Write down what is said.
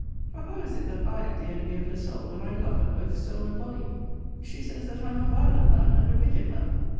For how is it that I am the enemy of her soul, when I love her both soul and body? She says, that I am a violent man, and a wicked man.